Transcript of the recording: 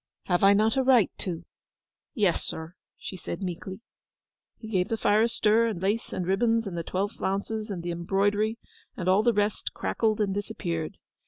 Have I not a right to?' 'Yes, sir,' she said meekly. He gave the fire a stir, and lace and ribbons, and the twelve flounces, and the embroidery, and all the rest crackled and disappeared.